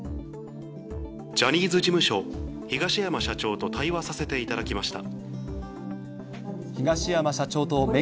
ジャニーズ事務所、東山社長と対話させていただきました。